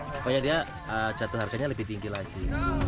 pokoknya dia catur harganya lebih tinggi lagi